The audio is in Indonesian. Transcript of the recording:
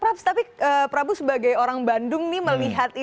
praps tapi prabu sebagai orang bandung nih melihat ini seperti apa sih